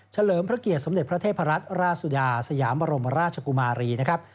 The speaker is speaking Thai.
เลิมพระเกียรติสมเด็จพระเทพรัตนราชสุดาสยามบรมราชกุมารีนะครับ